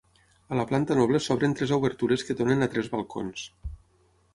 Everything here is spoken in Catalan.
A la planta noble s'obren tres obertures que donen a tres balcons.